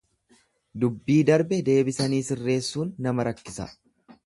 Dubbii darbe deebisanii sirreessuun nama rakkisa.